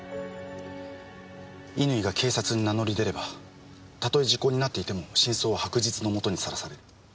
乾が警察に名乗り出ればたとえ時効になっていても真相は白日の下にさらされる。